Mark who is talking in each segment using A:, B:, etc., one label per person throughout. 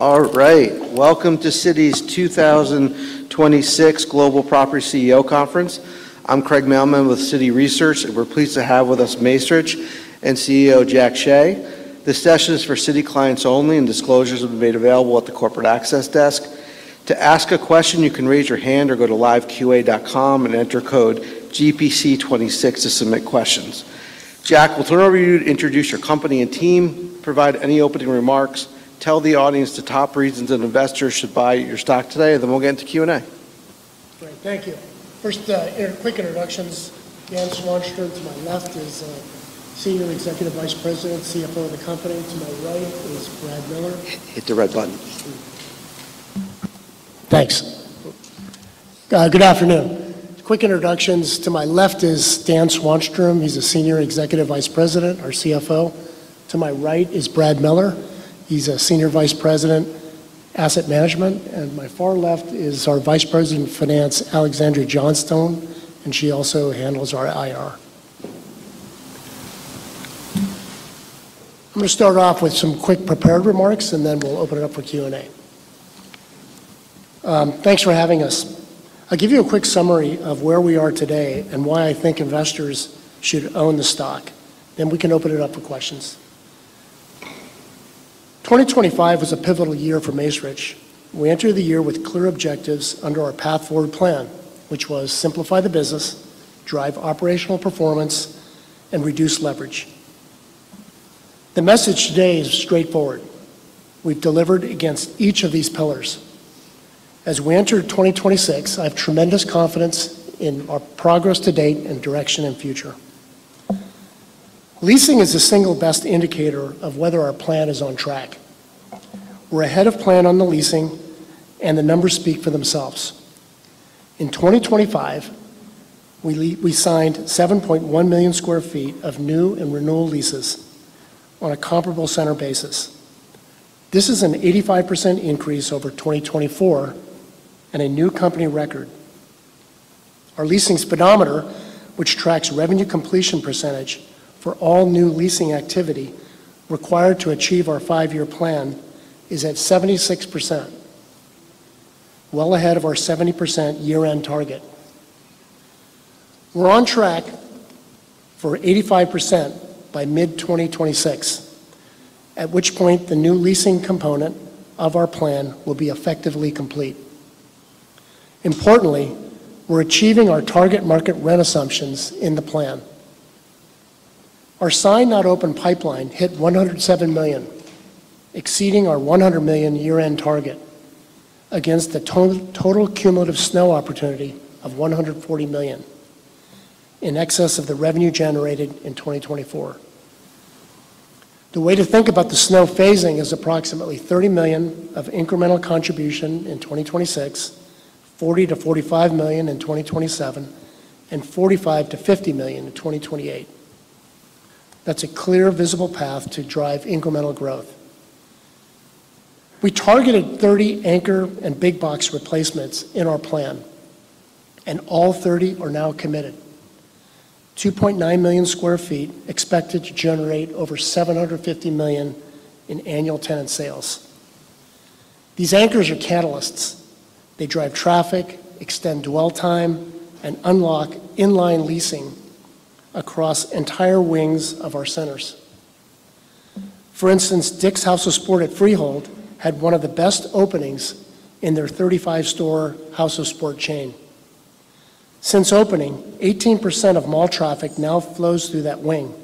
A: All right. Welcome to Citi's 2026 Global Property CEO Conference. I'm Craig Mailman with Citi Research, and we're pleased to have with Macerich and CEO Jackson Hsieh. This session is for Citi clients only, and disclosures will be made available at the corporate access desk. To ask a question, you can raise your hand or go to liveqa.com and enter code GPC26 to submit questions. Jack, we'll turn it over to you to introduce your company and team, provide any opening remarks, tell the audience the top reasons an investor should buy your stock today, and then we'll get into Q&A.
B: Great. Thank you. First, in quick introductions, Dan Swanstrom to my left is, Senior Executive Vice President, CFO of the company. To my right is Brad Miller.
A: Hit the red button.
B: Thanks. Good afternoon. Quick introductions. To my left is Dan Swanstrom. He's the Senior Executive Vice President, our CFO. To my right is Brad Miller. He's a Senior Vice President, Asset Management. To my far left is our Vice President of Finance, Alexandria Johnstone, and she also handles our Investor Relation. I'm gonna start off with some quick prepared remarks, then we'll open it up for Q&A. Thanks for having us. I'll give you a quick summary of where we are today and why I think investors should own the stock. We can open it up for questions. 2025 was a pivotal year Macerich. We entered the year with clear objectives under our Path Forward plan, which was simplify the business, drive operational performance, and reduce leverage. The message today is straightforward. We've delivered against each of these pillars. As we enter 2026, I have tremendous confidence in our progress to date and direction and future. Leasing is the single best indicator of whether our plan is on track. We're ahead of plan on the leasing, and the numbers speak for themselves. In 2025, we signed 7.1 million sq ft of new and renewal leases on a comparable centre basis. This is an 85% increase over 2024 and a new company record. Our leasing speedometer, which tracks revenue completion percentage for all new leasing activity required to achieve our five-year plan, is at 76%, well ahead of our 70% year-end target. We're on track for 85% by mid-2026, at which point the new leasing component of our plan will be effectively complete. Importantly, we're achieving our target market rent assumptions in the plan. Our signed not open pipeline hit $107 million, exceeding our $100 million year-end target against the total cumulative SNO opportunity of $140 million, in excess of the revenue generated in 2024. The way to think about the SNO phasing is approximately $30 million of incremental contribution in 2026, $40 million-$45 million in 2027, and $45 million-$50 million in 2028. That's a clear, visible path to drive incremental growth. We targeted 30 anchor and big box replacements in our plan, and all 30 are now committed. 2.9 million sq ft expected to generate over $750 million in annual tenant sales. These anchors are catalysts. They drive traffic, extend dwell time, and unlock in-line leasing across entire wings of our centres. For instance, House of Sport at Freehold had one of the best openings in their 35 store House of Sport chain. Since opening, 18% of mall traffic now flows through that wing,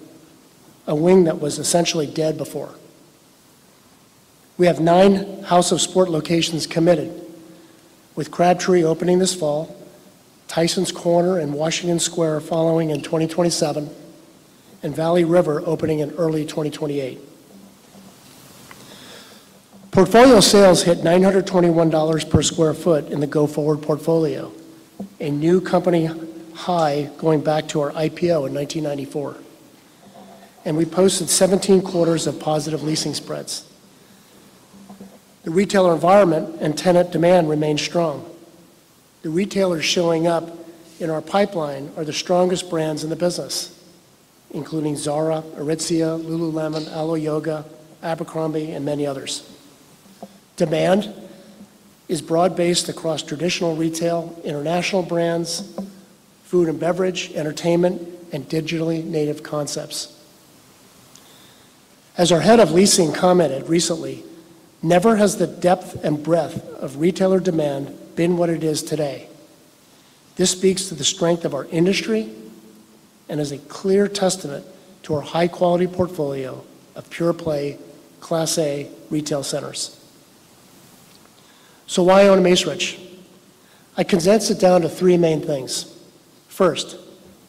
B: a wing that was essentially dead before. We have nine House of Sport locations committed, Crabtree opening this fall, Tysons Corner and Washington Square following in 2027, and Valley River opening in early 2028. Portfolio sales hit $921 per sq ft in the go-forward portfolio, a new company high going back to our IPO in 1994. We posted 17 quarters of positive leasing spreads. The retailer environment and tenant demand remain strong. The retailers showing up in our pipeline are the strongest brands in the business, including Zara, Aritzia, lululemon, Alo Yoga, Abercrombie, and many others. Demand is broad-based across traditional retail, international brands, food and beverage, entertainment, and digitally native concepts. As our head of leasing commented recently, never has the depth and breadth of retailer demand been what it is today. This speaks to the strength of our industry and is a clear testament to our high-quality portfolio of pure-play Class A retail centres. Why Macerich? I condense it down to three main things. First,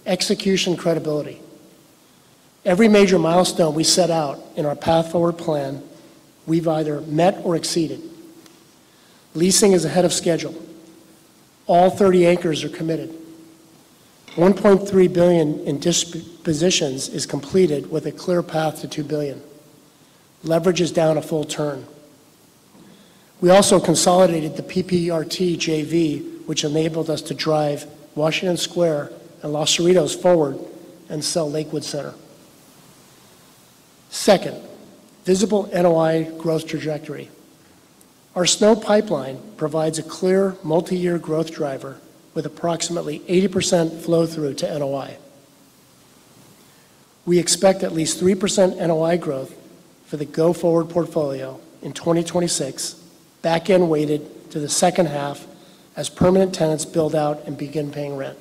B: execution credibility. Every major milestone we set out in our Path Forward plan, we've either met or exceeded. Leasing is ahead of schedule. All 30 anchors are committed. $1.3 billion in dispositions is completed with a clear path to $2 billion. Leverage is down a full turn. We also consolidated the PPRT JV, which enabled us to drive Washington Square and Los Cerritos forward and sell Lakewood Center. Second, visible NOI growth trajectory. Our SNO pipeline provides a clear multi-year growth driver with approximately 80% flow through to NOI. We expect at least 3% NOI growth for the go-forward portfolio in 2026, back-end weighted to the second half as permanent tenants build out and begin paying rent.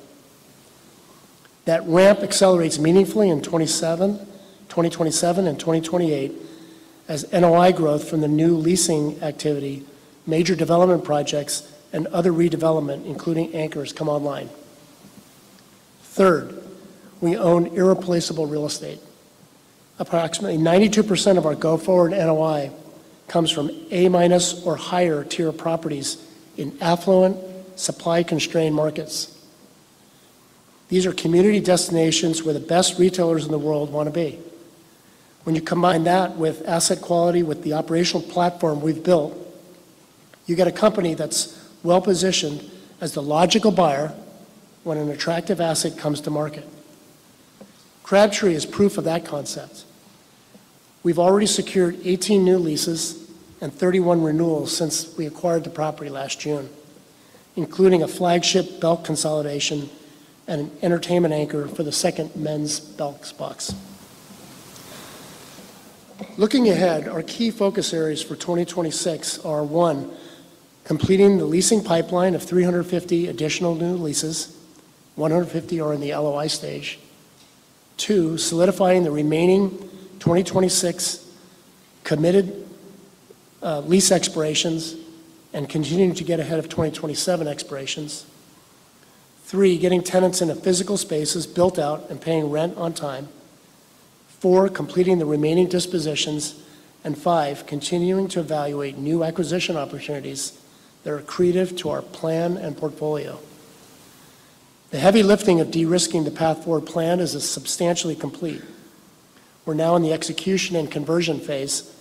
B: That ramp accelerates meaningfully in 2027 and 2028 as NOI growth from the new leasing activity, major development projects, and other redevelopment, including anchors, come online. Third, we own irreplaceable real estate. Approximately 92% of our go-forward NOI comes from A-minus or higher tier properties in affluent, supply-constrained markets. These are community destinations where the best retailers in the world wanna be. When you combine that with asset quality with the operational platform we've built, you get a company that's well-positioned as the logical buyer when an attractive asset comes to Crabtree is proof of that concept. We've already secured 18 new leases and 31 renewals since we acquired the property last June, including a flagship Belk consolidation and an entertainment anchor for the second men's Belk box. Looking ahead, our key focus areas for 2026 are, one, completing the leasing pipeline of 350 additional new leases, 150 are in the LOI stage. Two, solidifying the remaining 2026 committed lease expirations and continuing to get ahead of 2027 expirations. Three, getting tenants into physical spaces built out and paying rent on time. Four, completing the remaining dispositions. Five, continuing to evaluate new acquisition opportunities that accretive to our plan and portfolio. The heavy lifting of de-risking the Path Forward plan is substantially complete. We're now in the execution and conversion phase,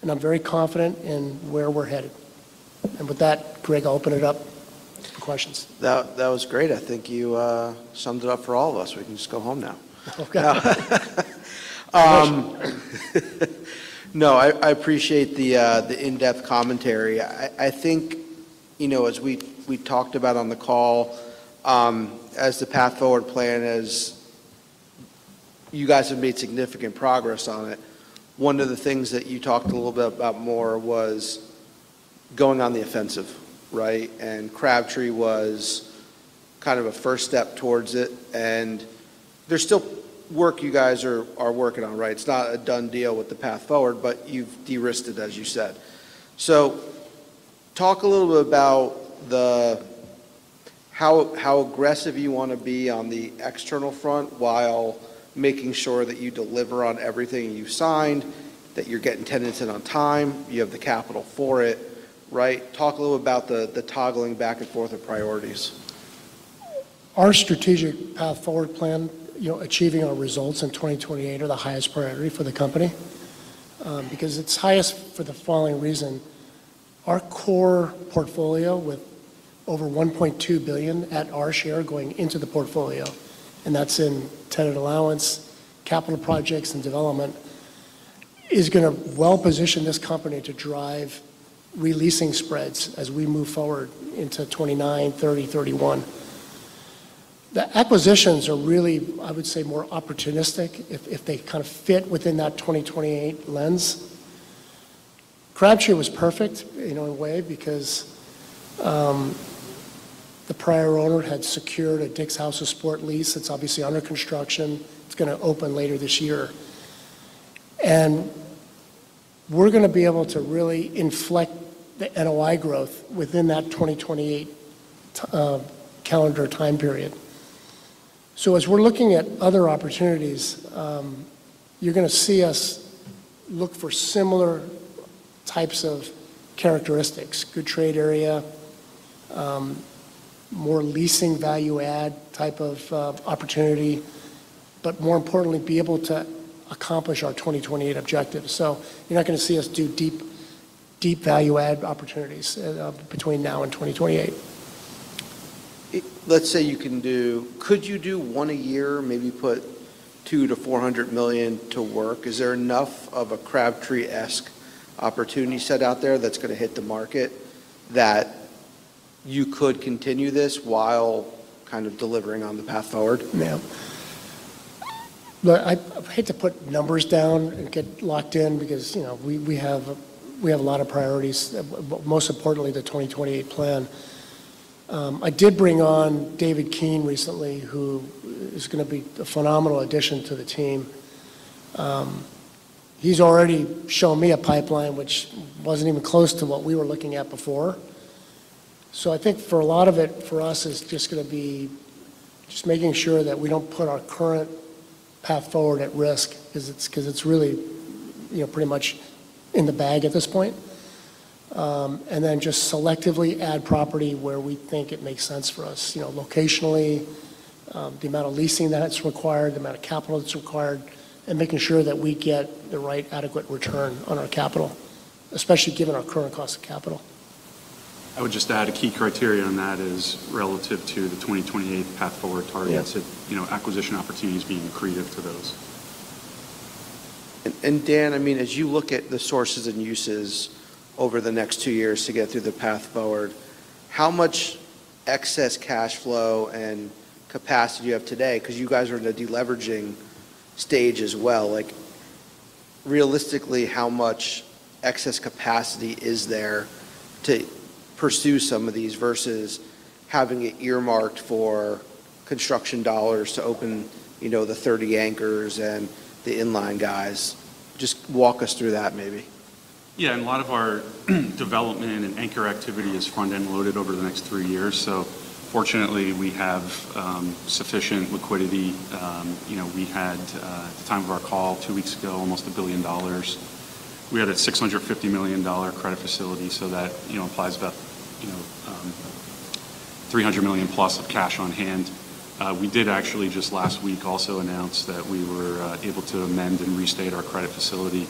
B: and I'm very confident in where we're headed. With that, Craig, I'll open it up for questions.
A: That was great. I think you summed it up for all of us. We can just go home now.
B: Okay. Questions.
A: No, I appreciate the in-depth commentary. I think, you know, as we talked about on the call, as the Path Forward plan. You guys have made significant progress on it. One of the things that you talked a little bit about more was going on the offensive, Crabtree was kind of a first step towards it, and there's still work you guys are working on, right? It's not a done deal with the Path Forward, but you've de-risked it, as you said. Talk a little bit about the how aggressive you wanna be on the external front while making sure that you deliver on everything you've signed, that you're getting tenants in on time, you have the capital for it, right? Talk a little about the toggling back and forth of priorities.
B: Our strategic Path Forward plan, you know, achieving our results in 2028 are the highest priority for the company, because it's highest for the following reason. Our core portfolio with over $1.2 billion at our share going into the portfolio, and that's in tenant allowance, capital projects, and development, is gonna well position this company to drive releasing spreads as we move forward into 2029, 2030, 2031. The acquisitions are really, I would say, more opportunistic if they kind of fit within that 2028 Crabtree was perfect in a way because, the prior owner had secured a House of Sport lease. It's obviously under construction. It's gonna open later this year. We're gonna be able to really inflect the NOI growth within that 2028 calendar time period. As we're looking at other opportunities, you're gonna see us look for similar types of characteristics, good trade area, more leasing value add type of opportunity, more importantly, be able to accomplish our 2028 objectives. You're not gonna see us do deep value add opportunities between now and 2028.
A: Could you do one a year, maybe put $200 million-$400 million to work? Is there enough of Crabtree-esque opportunity set out there that's going to hit the market that you could continue this while kind of delivering on the Path Forward?
B: Look, I hate to put numbers down and get locked in because, you know, we have a lot of priorities, most importantly, the 2028 plan. I did bring on David Keene recently, who is going to be a phenomenal addition to the team. He's already shown me a pipeline which wasn't even close to what we were looking at before. I think for a lot of it, for us, it's just going to be just making sure that we don't put our current Path Forward at risk 'cause it's really, you know, pretty much in the bag at this point. Just selectively add property where we think it makes sense for us, you know, locationally, the amount of leasing that's required, the amount of capital that's required, and making sure that we get the right adequate return on our capital, especially given our current cost of capital.
C: I would just add a key criteria on that is relative to the 2028 Path Forward targets.
A: Yeah
C: You know, acquisition opportunities accretive to those.
A: Dan, I mean, as you look at the sources and uses over the next two years to get through the Path Forward, how much excess cash flow and capacity you have today? Because you guys are in a deleveraging stage as well. Like, realistically, how much excess capacity is there to pursue some of these versus having it earmarked for construction dollars to open, you know, the 30 anchors and the inline guys? Just walk us through that maybe.
C: Yeah. A lot of our development and anchor activity is front-end loaded over the next three years. Fortunately, we have sufficient liquidity. You know, we had at the time of our call two weeks ago, almost $1 billion. We had a $650 million credit facility, so that, you know, applies about, you know, $300 million plus of cash on hand. We did actually just last week also announce that we were able to amend and restate our credit facility,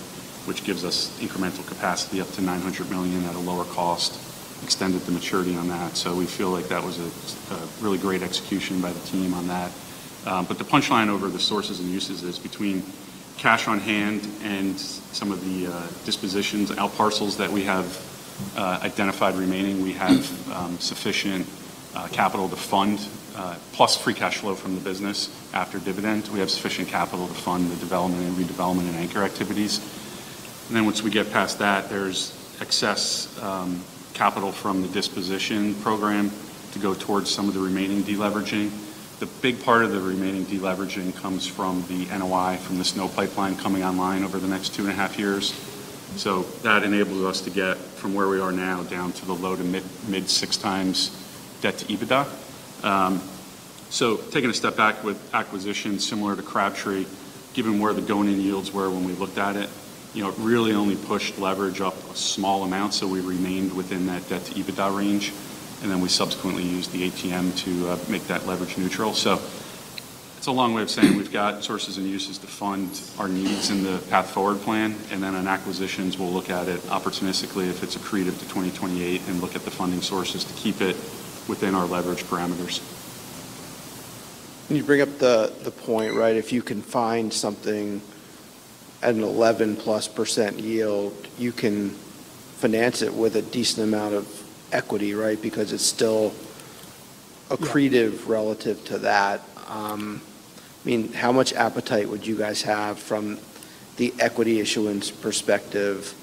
C: which gives us incremental capacity up to $900 million at a lower cost, extended the maturity on that. We feel like that was a really great execution by the team on that. The punchline over the sources and uses is between cash on hand and some of the dispositions, outparcels that we have identified remaining, we have sufficient capital to fund plus free cash flow from the business after dividend. We have sufficient capital to fund the development and redevelopment and anchor activities. Once we get past that, there's excess capital from the disposition program to go towards some of the remaining deleveraging. The big part of the remaining deleveraging comes from the NOI from the SNOW pipeline coming online over the next 2.5 years. That enables us to get from where we are now down to the low- to mid-six times debt-to-EBITDA. Taking a step back with acquisitions similar Crabtree, given where the going-in yields were when we looked at it, you know, it really only pushed leverage up a small amount, so we remained within that debt-to-EBITDA range. We subsequently used the ATM to make that leverage neutral. It's a long way of saying we've got sources and uses to fund our needs in the Path Forward plan. On acquisitions, we'll look at it opportunistically if accretive to 2028 and look at the funding sources to keep it within our leverage parameters.
A: You bring up the point, right? If you can find something at an +11% yield, you can finance it with a decent amount of equity, right?
C: Yeah
A: accretive relative to that. I mean, how much appetite would you guys have from the equity issuance perspective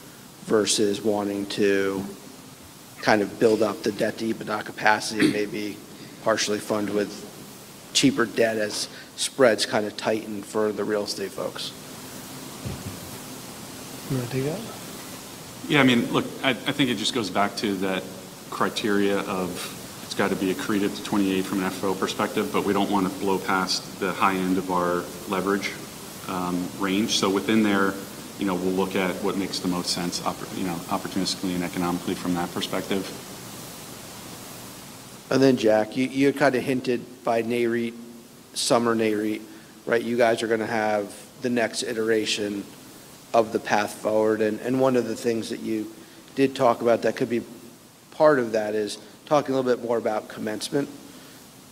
A: versus wanting to kind of build up the debt-to-EBITDA capacity, maybe partially fund with cheaper debt as spreads kind of tighten for the real estate folks?
B: You wanna take that?
C: Yeah. I mean, look, I think it just goes back to that criteria of it's gotta accretive to 2028 from an FFO perspective, but we don't wanna blow past the high end of our leverage range. Within there, you know, we'll look at what makes the most sense opportunistically and economically from that perspective.
A: Jack, you kind of hinted by NAREIT, summer NAREIT, right? You guys are gonna have the next iteration of the Path Forward. One of the things that you did talk about that could be part of that is talking a little bit more about commencement,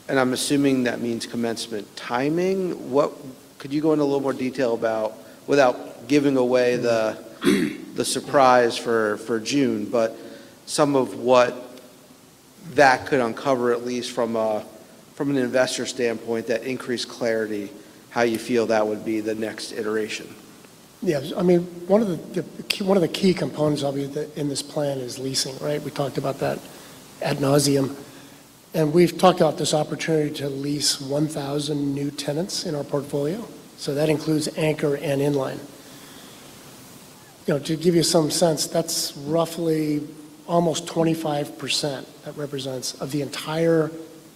A: and I'm assuming that means commencement timing. Could you go into a little more detail about, without giving away the surprise for June, but some of what that could uncover, at least from an investor standpoint, that increased clarity, how you feel that would be the next iteration?
B: I mean, one of the key components, obviously, in this plan is leasing, right? We talked about that ad nauseam. We've talked about this opportunity to lease 1,000 new tenants in our portfolio. That includes anchor and inline. You know, to give you some sense, that's roughly almost 25% that represents of the entire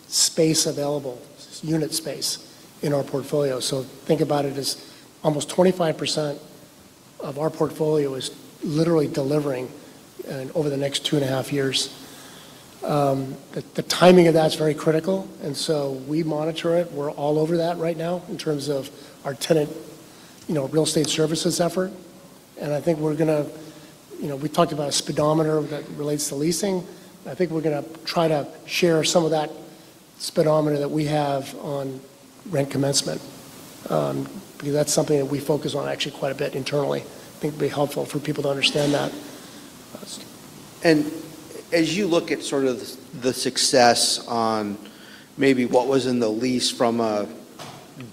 B: space available unit space in our portfolio. Think about it as almost 25% of our portfolio is literally delivering over the next two and a half years. The timing of that's very critical. We monitor it. We're all over that right now in terms of our tenant, you know, real estate services effort. I think we're gonna. You know, we talked about a speedometer that relates to leasing. I think we're gonna try to share some of that speedometer that we have on rent commencement, because that's something that we focus on actually quite a bit internally. I think it'd be helpful for people to understand that.
A: As you look at sort of the success on maybe what was in the lease from a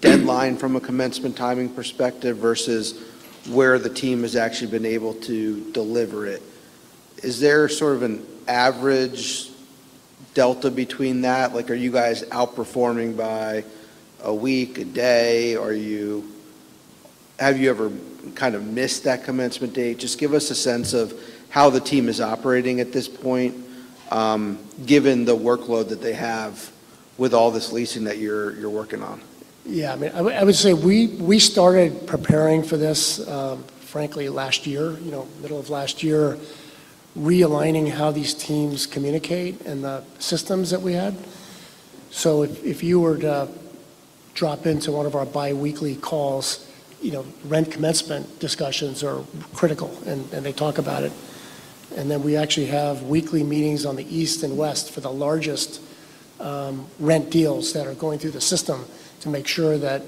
A: deadline, from a commencement timing perspective versus where the team has actually been able to deliver it, is there sort of an average delta between that? Like, are you guys outperforming by a week, a day? Have you ever kind of missed that commencement date? Just give us a sense of how the team is operating at this point, given the workload that they have with all this leasing that you're working on.
B: I mean, I would say we started preparing for this, frankly last year, you know, middle of last year, realigning how these teams communicate and the systems that we had. If you were to drop into one of our biweekly calls, you know, rent commencement discussions are critical, and they talk about it. We actually have weekly meetings on the east and west for the largest rent deals that are going through the system to make sure that,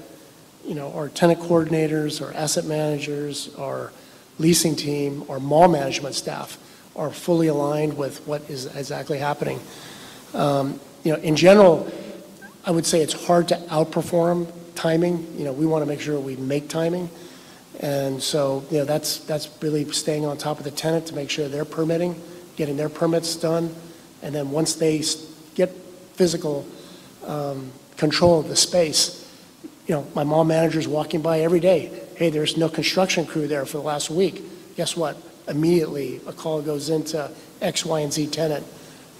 B: you know, our tenant coordinators, our asset managers, our leasing team, our mall management staff are fully aligned with what is exactly happening. You know, in general, I would say it's hard to outperform timing. You know, we wanna make sure we make timing. You know, that's really staying on top of the tenant to make sure they're permitting, getting their permits done, and then once they get physical control of the space, you know, my mall manager's walking by every day. "Hey, there's no construction crew there for the last week." Guess what? Immediately a call goes into X, Y, and Z tenant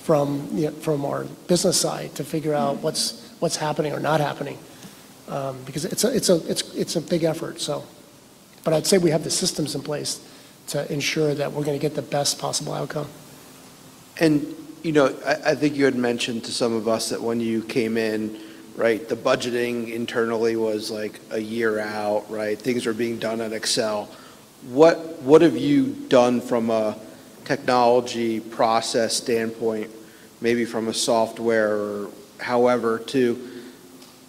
B: from our business side to figure out what's happening or not happening, because it's a big effort. I'd say we have the systems in place to ensure that we're gonna get the best possible outcome.
A: You know, I think you had mentioned to some of us that when you came in, right, the budgeting internally was, like, a year out, right? Things were being done in Excel. What have you done from a technology process standpoint, maybe from a software or however,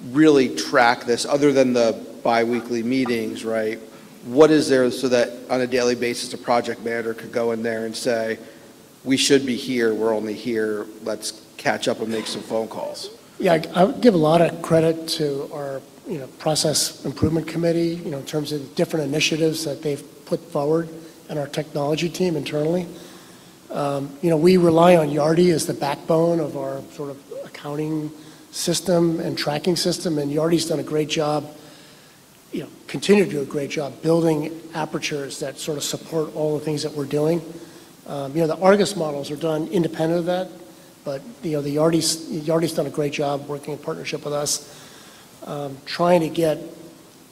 A: to really track this other than the biweekly meetings, right? What is there so that on a daily basis, a project manager could go in there and say, "We should be here. We're only here. Let's catch up and make some phone calls"?
B: Yeah. I would give a lot of credit to our, you know, process improvement committee, you know, in terms of different initiatives that they've put forward and our technology team internally. You know, we rely on Yardi as the backbone of our sort of accounting system and tracking system, and Yardi's done a great job, you know, continue to do a great job building applications that sort of support all the things that we're doing. You know, the ARGUS models are done independent of that, but, you know, Yardi's done a great job working in partnership with us, trying to get,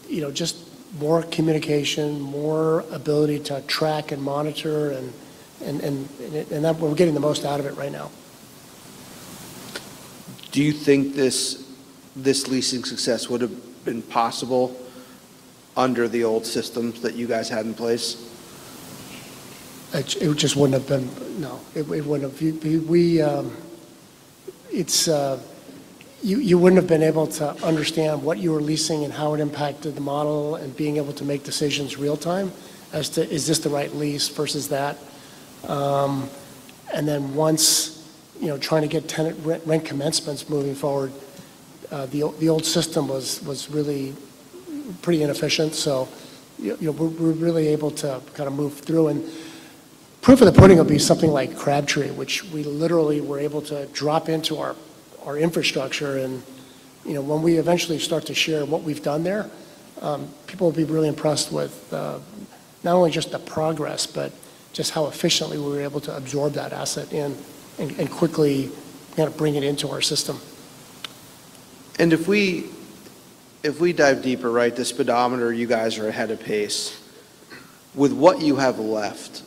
B: you know, just more communication, more ability to track and monitor, and that we're getting the most out of it right now.
A: Do you think this leasing success would have been possible under the old systems that you guys had in place?
B: It just wouldn't have been... No, it wouldn't have. You wouldn't have been able to understand what you were leasing and how it impacted the model and being able to make decisions real time as to is this the right lease versus that. Then once, you know, trying to get tenant rent commencements moving forward, the old system was really pretty inefficient. You know, we're really able to kind of move through. Proof of the pudding will be something Crabtree, which we literally were able to drop into our infrastructure. You know, when we eventually start to share what we've done there, people will be really impressed with, not only just the progress, but just how efficiently we were able to absorb that asset and quickly kind of bring it into our system.
A: If we dive deeper, right, the speedometer, you guys are ahead of pace. With what you have left,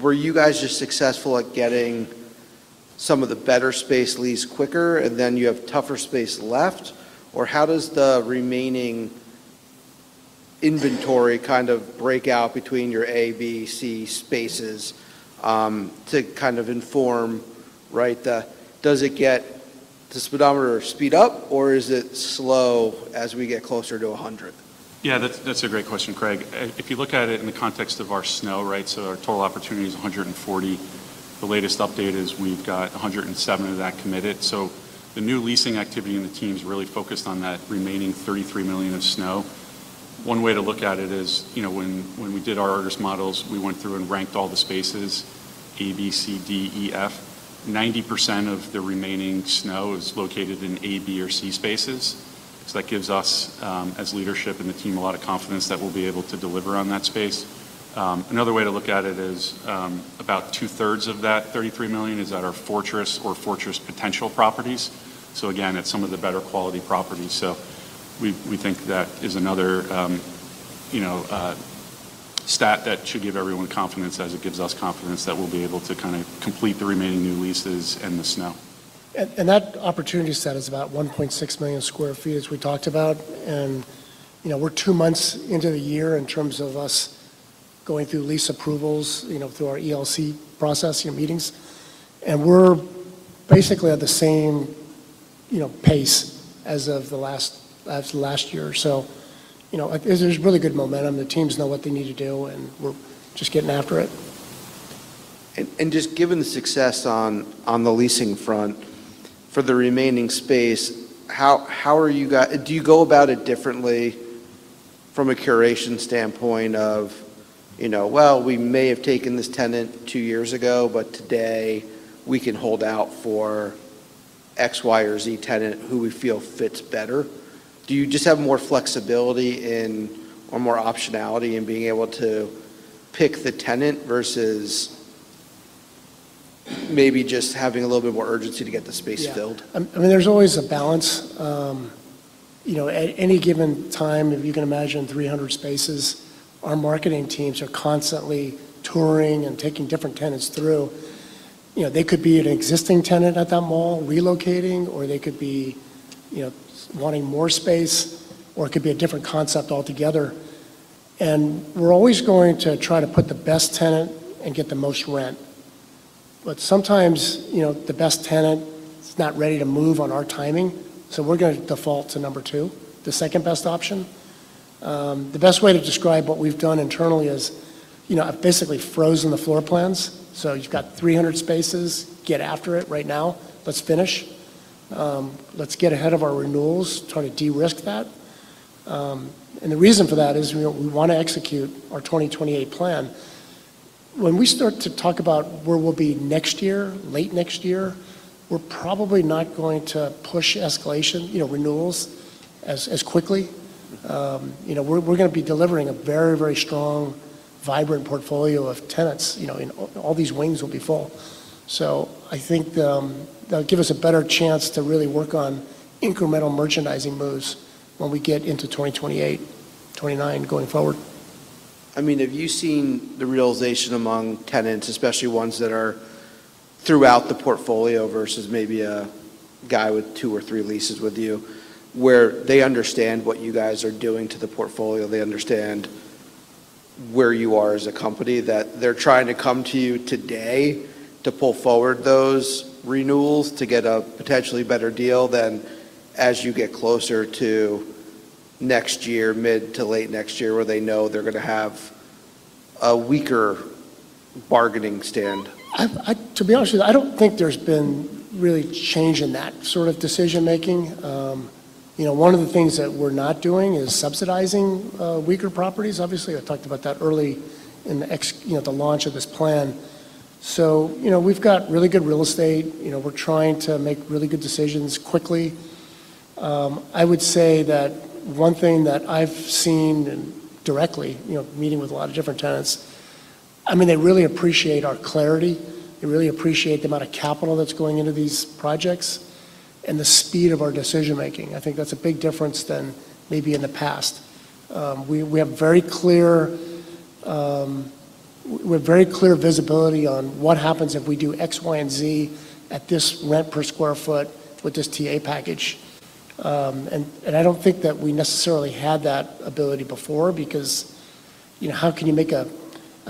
A: were you guys just successful at getting some of the better space leased quicker, and then you have tougher space left? How does the remaining inventory kind of break out between your A, B, C spaces to kind of inform, right? Does it get the speedometer speed up, or is it slow as we get closer to 100?
C: That's a great question, Craig. If you look at it in the context of our SNOW, right, our total opportunity is 140. The latest update is we've got 107 of that committed. The new leasing activity and the team's really focused on that remaining $33 million of SNOW. One way to look at it is, you know, when we did our ARGUS models, we went through and ranked all the spaces A, B, C, D, E, F. 90% of the remaining SNOW is located in A, B, or C spaces, so that gives us, as leadership and the team a lot of confidence that we'll be able to deliver on that space. Another way to look at it is, about two-thirds of that $33 million is at our fortress or fortress potential properties. Again, it's some of the better quality properties. We think that is another, you know, stat that should give everyone confidence as it gives us confidence that we'll be able to kind of complete the remaining new leases and the SNOW.
B: That opportunity set is about 1.6 million sq ft, as we talked about. You know, we're two months into the year in terms of us going through lease approvals, you know, through our ELC process, you know, meetings, and we're basically at the same, you know, pace as of last year. You know, like, there's really good momentum. The teams know what they need to do, and we're just getting after it.
A: Just given the success on the leasing front, for the remaining space, do you go about it differently from a curation standpoint of, you know, well, we may have taken this tenant two years ago, but today we can hold out for X, Y, or Z tenant who we feel fits better? Do you just have more flexibility in or more optionality in being able to pick the tenant versus maybe just having a little bit more urgency to get the space filled?
B: Yeah. I mean, there's always a balance. You know, at any given time, if you can imagine 300 spaces, our marketing teams are constantly touring and taking different tenants through. You know, they could be an existing tenant at that mall relocating, or they could be, you know, wanting more space, or it could be a different concept altogether. We're always going to try to put the best tenant and get the most rent. Sometimes, you know, the best tenant is not ready to move on our timing. We're going to default to number two, the second best option. The best way to describe what we've done internally is, you know, I've basically frozen the floor plans. You've got 300 spaces, get after it right now. Let's finish. Let's get ahead of our renewals, try to de-risk that. The reason for that is, you know, we want to execute our 2028 plan. When we start to talk about where we'll be next year, late next year, we're probably not going to push escalation, you know, renewals as quickly. You know, we're gonna be delivering a very, very strong, vibrant portfolio of tenants, you know, and all these wings will be full. I think that'll give us a better chance to really work on incremental merchandising moves when we get into 2028, 2029 going forward.
A: I mean, have you seen the realization among tenants, especially ones that are throughout the portfolio versus maybe a guy with two or three leases with you, where they understand what you guys are doing to the portfolio, they understand where you are as a company, that they're trying to come to you today to pull forward those renewals to get a potentially better deal than as you get closer to next year, mid to late next year, where they know they're going to have a weaker bargaining stand?
B: To be honest with you, I don't think there's been really change in that sort of decision-making. you know, one of the things that we're not doing is subsidizing weaker properties. Obviously, I talked about that early in the you know, the launch of this plan. you know, we've got really good real estate. You know, we're trying to make really good decisions quickly. I would say that one thing that I've seen and directly, you know, meeting with a lot of different tenants, I mean, they really appreciate our clarity. They really appreciate the amount of capital that's going into these projects and the speed of our decision-making. I think that's a big difference than maybe in the past. We have very clear visibility on what happens if we do X, Y, and Z at this rent per sq ft with this TA package. I don't think that we necessarily had that ability before because, you know, how can you make a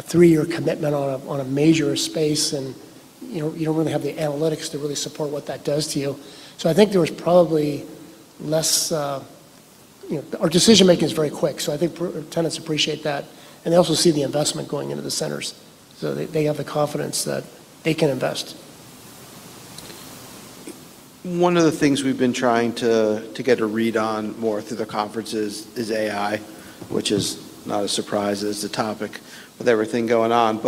B: three-year commitment on a major space and, you know, you don't really have the analytics to really support what that does to you. I think there was probably less, you know, our decision-making is very quick. I think tenants appreciate that, and they also see the investment going into the centres, so they have the confidence that they can invest.
A: One of the things we've been trying to get a read on more through the conferences is AI, which is not a surprise as the topic with everything going on.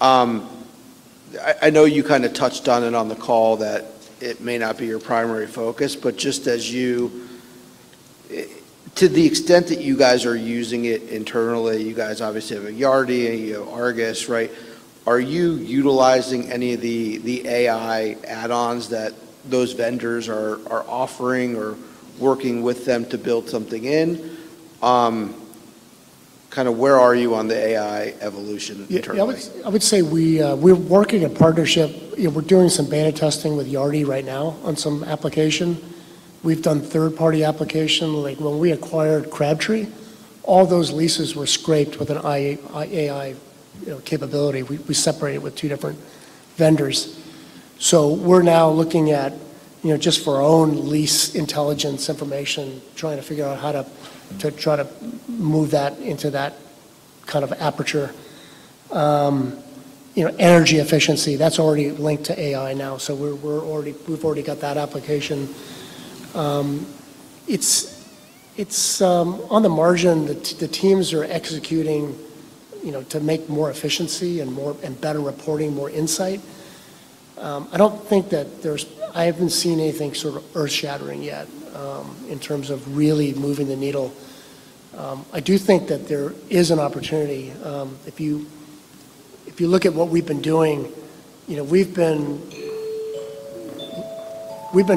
A: I know you kind of touched on it on the call that it may not be your primary focus, but just to the extent that you guys are using it internally, you guys obviously have a Yardi, you know, ARGUS, right? Are you utilizing any of the AI add-ons that those vendors are offering or working with them to build something in? Kind of where are you on the AI evolution internally?
B: I would say we're working a partnership. You know, we're doing some beta testing with Yardi right now on some application. We've done third-party application, like when we Crabtree, all those leases were scraped with an AI, you know, capability. We separated with two different vendors. We're now looking at, you know, just for our own lease intelligence information, trying to figure out how to try to move that into that kind of aperture. You know, energy efficiency, that's already linked to AI now, we've already got that application. It's on the margin, the teams are executing, you know, to make more efficiency and better reporting, more insight. I haven't seen anything sort of earth-shattering yet, in terms of really moving the needle. I do think that there is an opportunity. If you look at what we've been doing, you know, we've been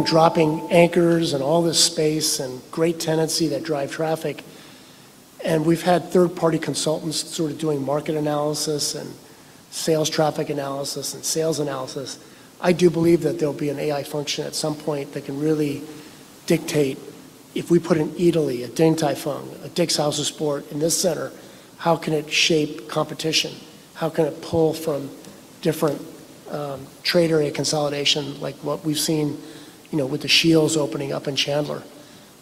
B: dropping anchors in all this space and great tenancy that drive traffic, and we've had third-party consultants sort of doing market analysis and sales traffic analysis and sales analysis. I do believe that there'll be an AI function at some point that can really dictate if we put an Eataly, a Din Tai Fung, a House of Sport in this centre, how can it shape competition? How can it pull from different, trade area consolidation like what we've seen, you know, with the SCHEELS opening up in Chandler?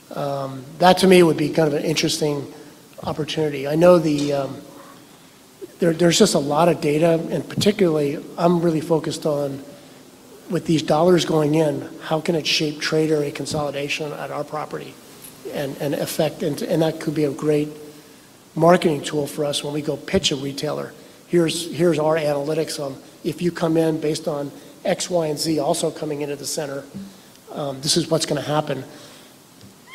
B: That to me would be kind of an interesting opportunity. There's just a lot of data, and particularly I'm really focused on with these dollars going in, how can it shape trade area consolidation at our property. That could be a great marketing tool for us when we go pitch a retailer. Here's our analytics on if you come in based on X, Y, and Z also coming into the centre, this is what's gonna happen.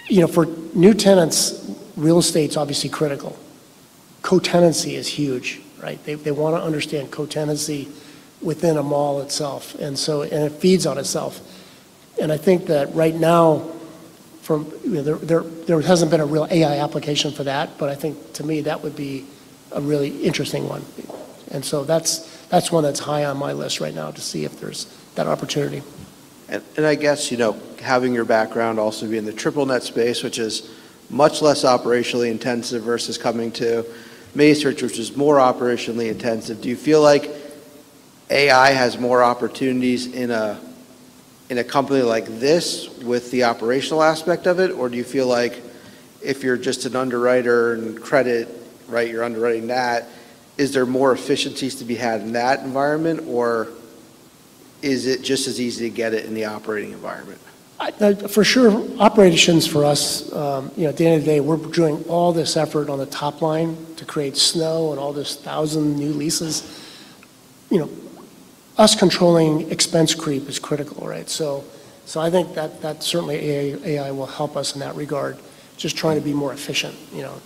B: You know, for new tenants, real estate's obviously critical. Co-tenancy is huge, right? They wanna understand co-tenancy within a mall itself. It feeds on itself. I think that right now. From, you know, there hasn't been a real AI application for that, but I think to me that would be a really interesting one. That's one that's high on my list right now to see if there's that opportunity.
A: I guess, you know, having your background also be in the triple net space, which is much less operationally intensive versus coming Macerich, which is more operationally intensive, do you feel like AI has more opportunities in a, in a company like this with the operational aspect of it? Or do you feel like if you're just an underwriter in credit, right, you're underwriting that, is there more efficiencies to be had in that environment? Or is it just as easy to get it in the operating environment?
B: I, like, for sure operations for us, you know, at the end of the day, we're doing all this effort on the top line to create SNO and all this 1,000 new leases. You know, us controlling expense creep is critical, right? I think that certainly AI will help us in that regard, just trying to be more efficient, you know.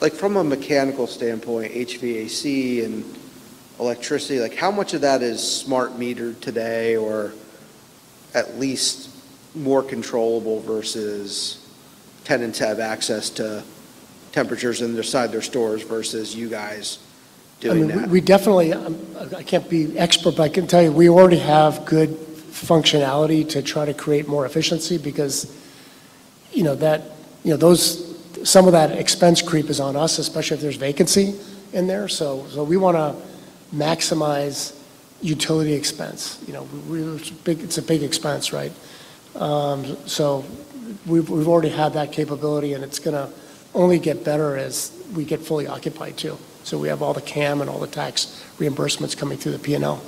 A: Like, from a mechanical standpoint, HVAC and electricity, like, how much of that is smart metered today or at least more controllable versus tenants have access to temperatures inside their stores versus you guys doing that?
B: I mean, we definitely, I can't be expert, but I can tell you we already have good functionality to try to create more efficiency because, you know, that, you know, those, some of that expense creep is on us, especially if there's vacancy in there. We wanna maximize utility expense. You know, it's a big expense, right? We've already had that capability, and it's gonna only get better as we get fully occupied too. We have all the CAM and all the tax reimbursements coming through the P&L.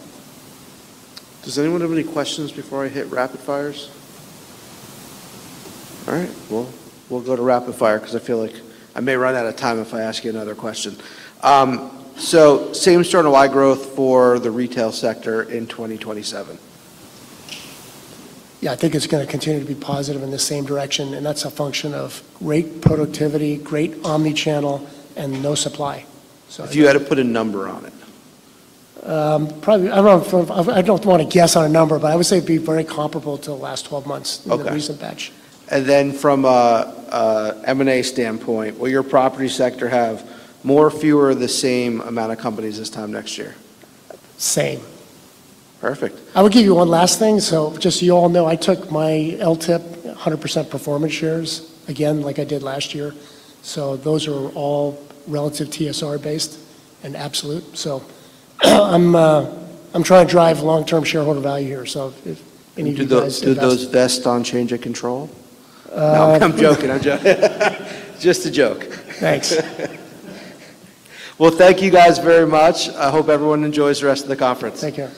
A: Does anyone have any questions before I hit rapid fires? All right. Well, we'll go to rapid fire 'cause I feel like I may run out of time if I ask you another question. Same store and online growth for the retail sector in 2027.
B: Yeah, I think it's gonna continue to be positive in the same direction, and that's a function of great productivity, great Omnichannel, and no supply.
A: If you had to put a number on it.
B: Probably I don't wanna guess on a number, but I would say it'd be very comparable to the last 12 months.
A: Okay
B: ...in the recent batch.
A: From a M&A standpoint, will your property sector have more, fewer, or the same amount of companies this time next year?
B: Same.
A: Perfect.
B: I will give you one last thing. Just so you all know, I took my LTIP 100% performance shares again like I did last year. Those are all relative TSR-based and absolute. I'm trying to drive long-term shareholder value here. If any of you guys-
A: Do those vest on change of control? No, I'm joking. Just a joke.
B: Thanks.
A: Well, thank you guys very much. I hope everyone enjoys the rest of the conference.
B: Thank you.